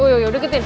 oh iya udah diketin